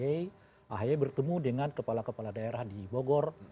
ahy bertemu dengan kepala kepala daerah di bogor